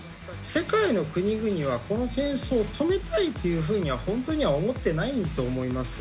世界の国々はこの戦争を止めたいっていう風には本当には思ってないんだと思います。